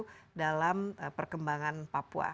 itu dalam perkembangan papua